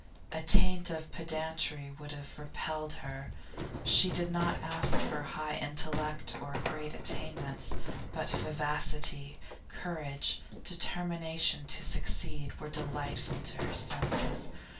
A taint of pedantry would have repelled her. She did not ask for high intellect or great attainments; but vivacity, courage, determination to succeed, were delightful to her senses.